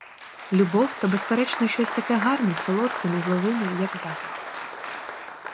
Любов — то безперечно щось таке гарне, солодке, невловиме, як запах.